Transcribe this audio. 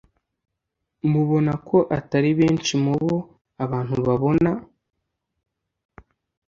mubona ko atari benshi mu bo abantu babona.